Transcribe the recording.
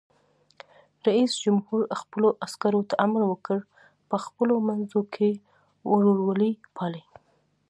رئیس جمهور خپلو عسکرو ته امر وکړ؛ په خپلو منځو کې ورورولي پالئ!